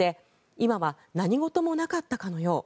今は何事もなかったかのよう。